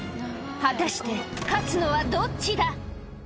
果たして勝つのはどっちだ？